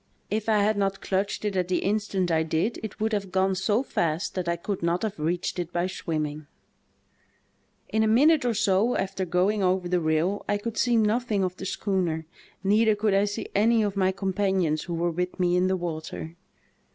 If I had not "l WAS OVERBOARD IN A TYPHOON ONCE." clutched it at the instant I did it would have gone so fast that I could not have reached it by swim ming. ^'In a minute or so after going over the rail I could see nothing of the schooner; neither could I see any of my companions who were with me in the water.